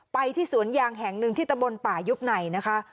ไปที่สวนยางแห่งหนึ่งที่ตะบนป่ายุบในนะคะ